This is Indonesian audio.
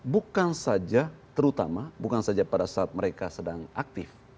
bukan saja terutama bukan saja pada saat mereka sedang aktif